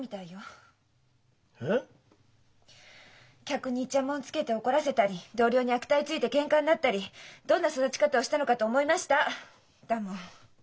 「客にイチャモンつけて怒らせたり同僚に悪態ついてケンカになったりどんな育ち方をしたのかと思いました」だもん。